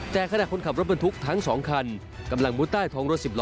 แต่ขณะคนขับรถบรรทุกทั้ง๒คันกำลังมุดใต้ท้องรถสิบล้อ